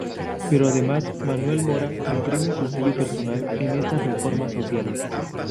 Pero además Manuel Mora imprime su sello personal en estas Reformas Sociales.